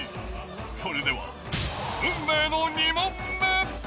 それでは運命の２問目。